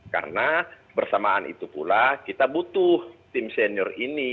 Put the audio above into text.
karena bersamaan itu pula kita butuh tim senior ini